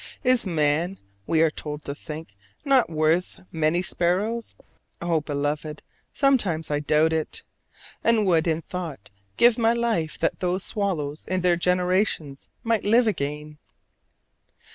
Is man, we are told to think, not worth many sparrows? Oh, Beloved, sometimes I doubt it! and would in thought give my life that those swallows in their generations might live again.